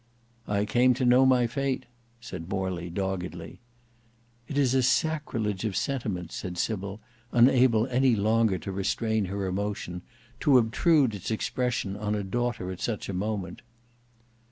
"I came to know my fate," said Morley, doggedly. "It is a sacrilege of sentiment," said Sybil, unable any longer to restrain her emotion, "to obtrude its expression on a daughter at such a moment."